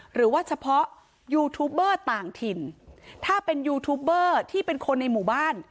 หรือว่าเฉพาะยูทูบเบอร์ต่างถิ่นถ้าเป็นยูทูบเบอร์ที่เป็นคนในหมู่บ้าน